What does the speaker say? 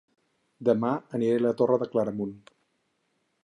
Dema aniré a La Torre de Claramunt